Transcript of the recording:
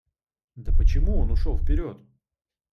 Да почему он ушел вперед?